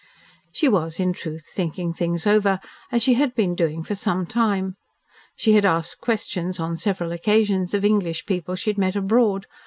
She was, in truth, thinking things over, as she had been doing for some time. She had asked questions on several occasions of English people she had met abroad.